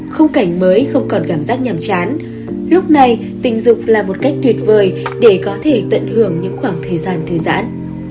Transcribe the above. khung cảnh mới không còn cảm giác nhàm chán lúc này tình dục là một cách tuyệt vời để có thể tận hưởng những khoảng thời gian thư giãn